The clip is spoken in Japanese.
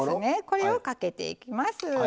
これをかけていきます。